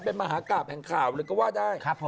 เป็นมหากราบแห่งข่าวเลยก็ว่าได้